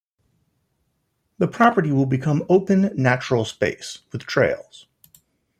The property will become open, natural space with trails.